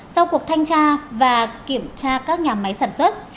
sau cuộc thanh tra và kiểm tra các nhà máy sản xuất